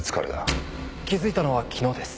気付いたのは昨日です。